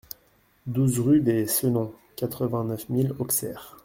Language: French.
douze rue des Senons, quatre-vingt-neuf mille Auxerre